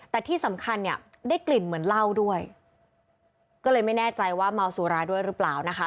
แต่ที่สำคัญเนี่ยได้กลิ่นเหมือนเหล้าด้วยก็เลยไม่แน่ใจว่าเมาสุราด้วยหรือเปล่านะคะ